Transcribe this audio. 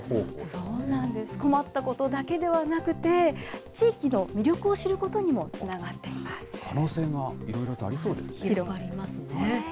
そうなんです、困ったことだけではなくて、地域の魅力を知る可能性がいろいろとありそう広がりますね。